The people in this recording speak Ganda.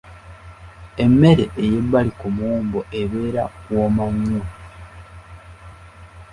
Emmere ey'ebbali ku muwumbo ebeera wooma nnyo.